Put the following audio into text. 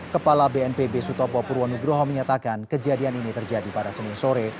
kepala bnpb sutopo purwonugroho menyatakan kejadian ini terjadi pada senin sore